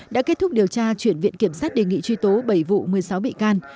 đã kết thúc điều tra chuyển viện kiểm sát đề nghị truy tố bảy vụ một mươi sáu bị can